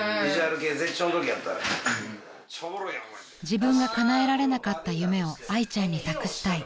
［自分がかなえられなかった夢をあいちゃんに託したい］